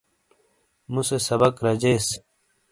موسے سبک رجیس۔